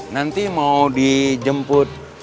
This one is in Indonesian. nanti mau dijemput